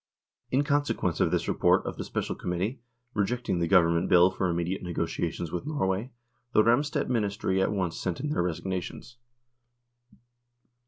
In consequence of this report of the Special Com mittee, rejecting the Government Bill for immediate negotiations with Norway, the Ramstedt Ministry at once sent in their resignations.